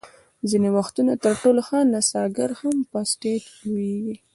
ځینې وختونه تر ټولو ښه نڅاګر هم په سټېج لویږي.